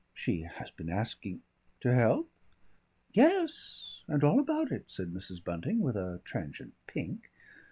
She has been asking " "To help?" "Yes, and all about it," said Mrs. Bunting, with a transient pink.